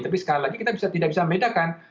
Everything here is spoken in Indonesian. tapi sekali lagi kita tidak bisa membedakan